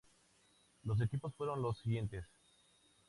Los equipo fueron los siguientes